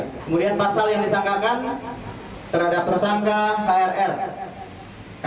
kemudian pasal yang disangkakan terhadap tersangka klr